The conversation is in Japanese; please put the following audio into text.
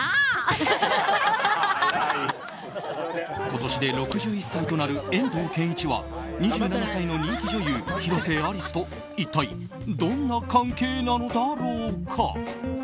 今年で６１歳となる遠藤憲一は２７歳の人気女優・広瀬アリスと一体どんな関係なのだろうか。